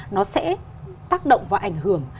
nó sẽ tác động và ảnh hưởng